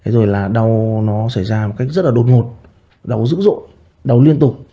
rồi là đau nó xảy ra một cách rất là đột ngột đau dữ dội đầu liên tục